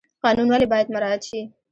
قانون ولې باید مراعات شي؟